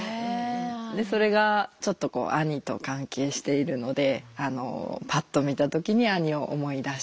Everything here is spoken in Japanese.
でそれがちょっとこう兄と関係しているのでパッと見た時に兄を思い出したっていうのがあります。